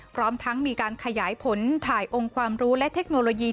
พร้อมทั้งมีการขยายผลถ่ายองค์ความรู้และเทคโนโลยี